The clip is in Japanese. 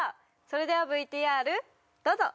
それではＶＴＲどうぞ！